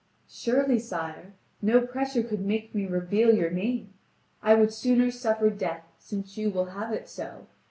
"Surely, sire, no pressure could make me reveal your name. I would sooner suffer death, since you will have it so.